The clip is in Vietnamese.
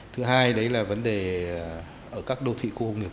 thứ hai đấy là vấn đề ở các đô thị khu công nghiệp